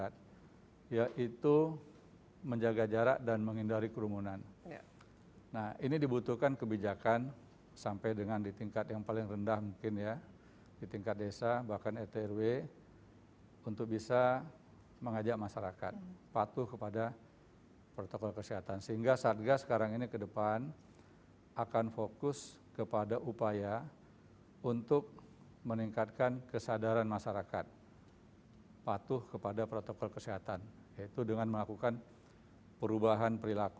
terutama untuk menerapkan protokol keseluruhan